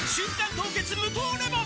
凍結無糖レモン」